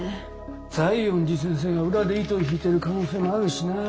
西園寺先生が裏で糸を引いてる可能性もあるしなあ。